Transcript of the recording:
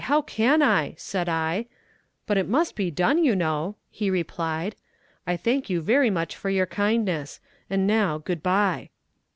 how can I,' said I. 'But it must be done, you know,' he replied. 'I thank you very much for your kindness, and now, good bye.'